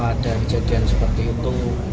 ada kejadian seperti itu